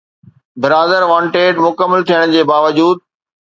’برادر wanted‘ مڪمل ٿيڻ جي باوجود